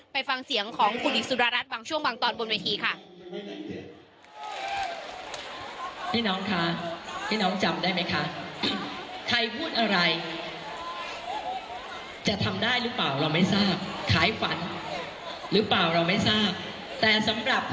ไปฟังเสียงของคุณหญิงสุดารัฐบางช่วงบางตอนบนเวทีค่ะ